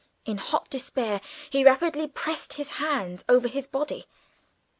In hot despair he rapidly passed his hands over his body.